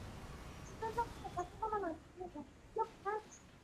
检见川滨车站京叶线的铁路车站。